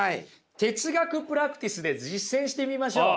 哲学プラクティスで実践してみましょう。